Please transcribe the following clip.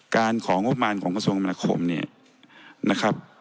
การของบประมาณของประสงค์กรรมนครเนี่ยนะครับ